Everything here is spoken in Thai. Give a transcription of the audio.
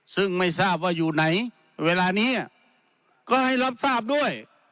ซึ่งไม่ทราบว่าอยู่ไหนเวลานี้ก็ให้รับทราบด้วย